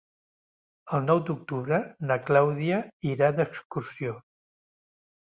El nou d'octubre na Clàudia irà d'excursió.